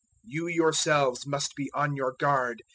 013:009 "You yourselves must be on your guard.